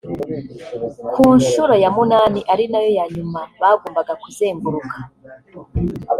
Ku nshuro ya munani ari nayo ya nyuma bagombaga kuzenguruka